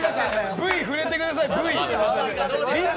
Ｖ触れてください！